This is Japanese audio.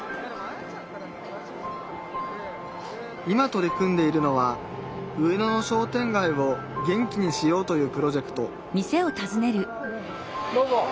今取り組んでいるのは上野の商店街を元気にしようというプロジェクトどうぞ。